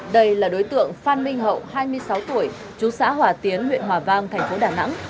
đây là đối tượng phan minh hậu hai mươi sáu tuổi chú xã hòa tiến huyện hòa vang thành phố đà nẵng